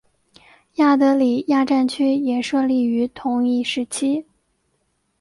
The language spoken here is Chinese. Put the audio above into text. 亚德里亚战区也设立于同一时期。